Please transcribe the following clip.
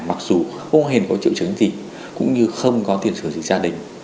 mặc dù không hề có triệu chứng gì cũng như không có tiền sử gì gia đình